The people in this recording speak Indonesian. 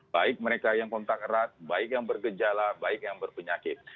baik mereka yang kontak erat baik yang bergejala baik yang berpenyakit